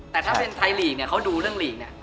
แต่ถ้าเป็นไทยลีกเนี่ยเขาดูเรื่องลีกเนี่ย